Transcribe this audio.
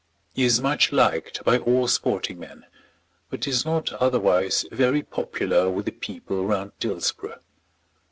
He is much liked by all sporting men, but is not otherwise very popular with the people round Dillsborough.